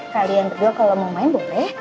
kalian berdua kalau mau main boleh